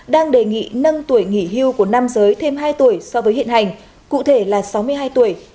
đang đề nghị nâng tuổi nghỉ hưu của nam giới thêm hai tuổi so với hiện hành cụ thể là sáu mươi hai tuổi